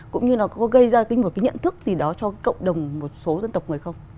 cũng như nó có gây ra một cái nhận thức gì đó cho cộng đồng một số dân tộc người không